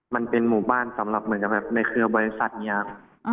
มันเป็นหมู่บ้านสำหรับในเครือบริษัทนี้ครับ